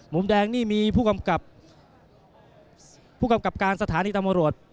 มุมแดงนี่มีผู้กำกับการสถานีตำรวจ